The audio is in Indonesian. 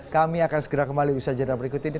kami akan segera kembali usaha jadwal berikut ini